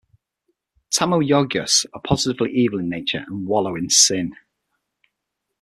Tamo-yogyas are positively evil in nature and wallow in sin.